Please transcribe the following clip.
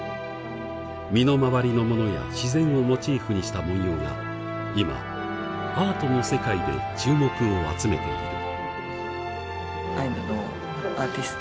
身の回りのものや自然をモチーフにした文様が今アートの世界で注目を集めている。